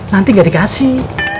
nanti gak dikasih